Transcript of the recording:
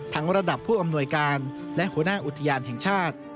ระดับผู้อำนวยการและหัวหน้าอุทยานแห่งชาติ